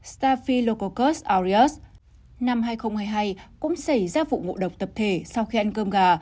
staphylococcus aureus năm hai nghìn hai mươi hai cũng xảy ra vụ ngộ độc tập thể sau khi ăn cơm gà